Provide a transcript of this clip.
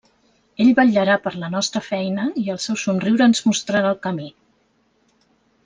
Ell vetllarà per la nostra feina, i el seu somriure ens mostrarà el camí.